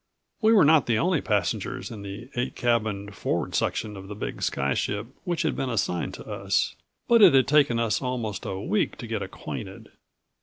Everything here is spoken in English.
6 We were not the only passengers in the eight cabined forward section of the big sky ship which had been assigned to us. But it had taken us almost a week to get acquainted.